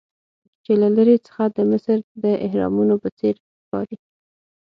چې له لرې څخه د مصر د اهرامونو په څیر ښکاري.